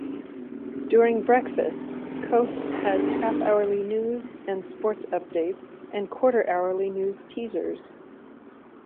During breakfast Coast has half-hourly news and sports updates and quarter-hourly news teasers.